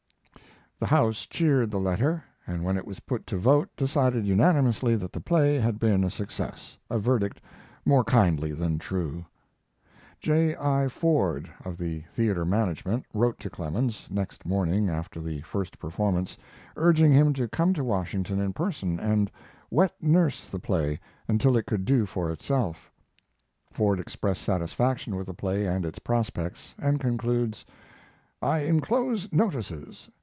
The house cheered the letter, and when it was put to vote decided unanimously that the play had been a success a verdict more kindly than true. J. I. Ford, of the theater management, wrote to Clemens, next morning after the first performance, urging him to come to Washington in person and "wet nurse" the play until "it could do for itself." Ford expressed satisfaction with the play and its prospects, and concludes: I inclose notices.